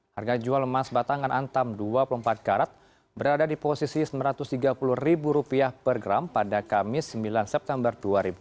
harga jual emas batangan antam dua puluh empat karat berada di posisi rp sembilan ratus tiga puluh per gram pada kamis sembilan september dua ribu dua puluh